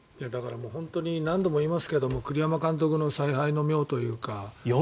本当に何度も言いますけど栗山監督の采配の妙というか。